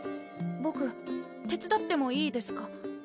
ぼく手伝ってもいいですか？